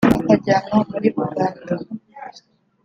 akajyanwa muri Uganda